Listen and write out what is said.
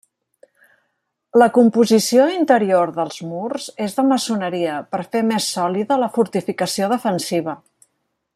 La composició interior dels murs és de maçoneria, per fer més sòlida la fortificació defensiva.